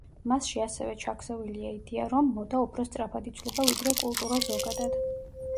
მასში ასევე ჩაქსოვილია იდეა, რომ მოდა უფრო სწრაფად იცვლება, ვიდრე კულტურა ზოგადად.